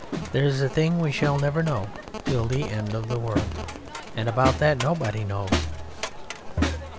"There's a thing we shall never know till the end of the world and about that nobody knows!"